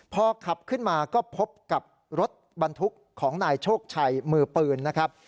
พอขับขึ้นมาก็พบกับรถบรรทุกของนายโชคชัยมือปืนนะครับ